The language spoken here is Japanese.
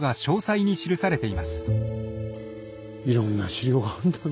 いろんな史料があるんだね。